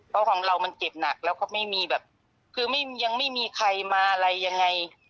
เพราะของเรามันเจ็บหนักแล้วก็ไม่มีแบบคือยังไม่มีใครมาอะไรยังไง